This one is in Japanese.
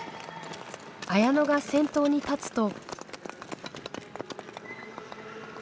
綾乃が先頭に立つと。